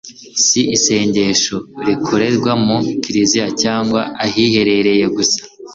si isengesho rikorerwa mu kiliziya cyangwa ahiherereye gusa